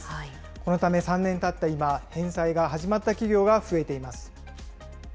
このため３年たった今、返済が始まった企業が増えています。